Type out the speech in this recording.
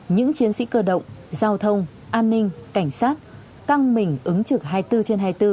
những chiến sĩ cơ động giao thông an ninh cảnh sát căng mình ứng trực hai mươi bốn trên hai mươi bốn